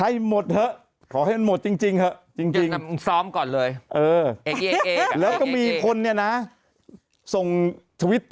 ยอดนะเอ๊ะสาวครัว